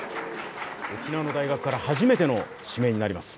沖縄の大学から初めての指名になります。